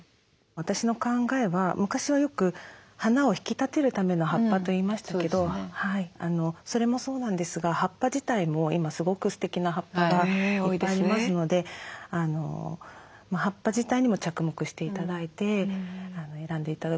私の考えは昔はよく花を引き立てるための葉っぱといいましたけどそれもそうなんですが葉っぱ自体も今すごくすてきな葉っぱがいっぱいありますので葉っぱ自体にも着目して頂いて選んで頂くのが。